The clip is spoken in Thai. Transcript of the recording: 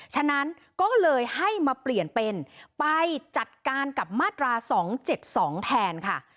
ฉะนั้นก็เลยให้มาเปลี่ยนเป็นไปจัดการกับมาตรา๒๗๒แทนค่ะ